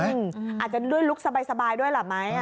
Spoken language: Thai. อาจจะด้วยลุคสบายด้วยล่ะไหม